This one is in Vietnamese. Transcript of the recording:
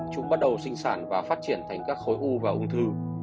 chúng bắt đầu sinh sản và phát triển thành các khối u và ung thư